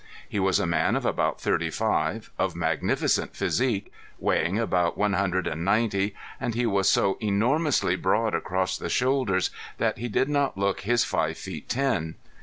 He was a man of about thirty five, of magnificent physique, weighing about one hundred and ninety, and he was so enormously broad across the shoulders that he did not look his five feet ten.